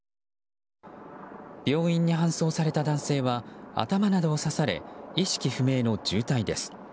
病院に搬送された男性は頭などを刺され意識不明の重体です。